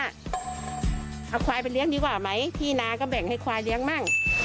เอาควายไปเลี้ยงดีกว่าไหมที่นาก็แบ่งให้ควายเลี้ยงมั่ง